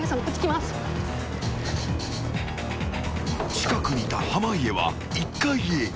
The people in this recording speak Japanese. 近くにいた濱家は１階へ。